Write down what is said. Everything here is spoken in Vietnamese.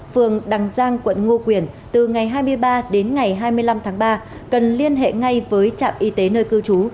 phường đằng giang quận ngo quyền từ ngày hai mươi ba đến ngày hai mươi năm tháng ba cần liên hệ ngay với trạm y tế nơi cư trú